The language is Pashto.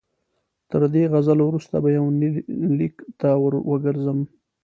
تر دې غزلو وروسته به یونلیک ته ور وګرځم.